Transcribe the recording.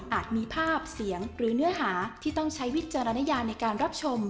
มีภาพเสียงหรือเนื้อหาที่ต้องใช้วิจารณญาในการรับชม